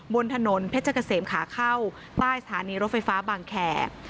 บนถนนเพชรเกษมขาเข้าใต้สถานีรถไฟฟ้าบางแขก